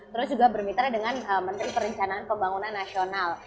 terus juga bermitra dengan menteri perencanaan pembangunan nasional